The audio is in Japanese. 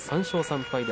３勝３敗